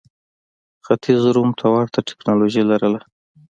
ختیځ روم ته ورته ټکنالوژي لرله.